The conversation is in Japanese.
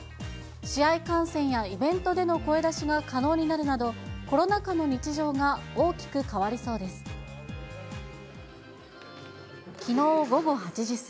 試合観戦やイベントでの声出しが可能になるなど、コロナ禍の日常が大きく変わりそうです。